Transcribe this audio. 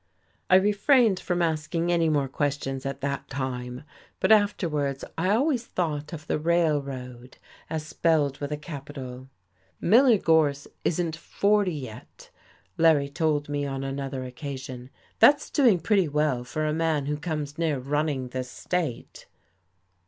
I refrained from asking any more questions at that time, but afterwards I always thought of the Railroad as spelled with a capital. "Miller Gorse isn't forty yet," Larry told me on another occasion. "That's doing pretty well for a man who comes near running this state."